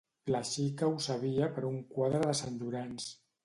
La xica ho sabia per un quadre de Sant Llorenç.